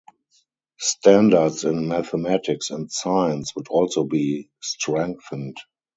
Standards in mathematics and science would also be strengthened.